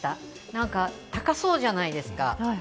なんか、高そうじゃないですか。